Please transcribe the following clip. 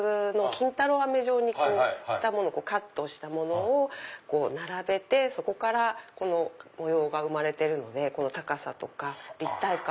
金太郎あめ状にしたものをカットしたものを並べてそこから模様が生まれてるので高さとか立体感も。